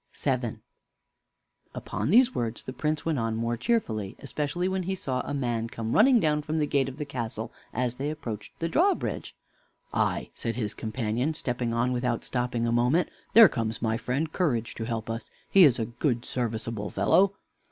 VII Upon these words, the Prince went on more cheerfully, especially when he saw a man come running down from the gate of the castle as they approached the drawbridge. "Ay," said his companion, stepping on without stopping a moment, "there comes my friend Courage to help us. He is a good, serviceable fellow."